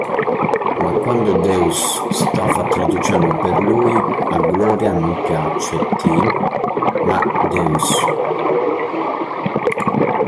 Ma quando Deuce stava traducendo per lui, a Gloria non piace Ty, ma Deuce.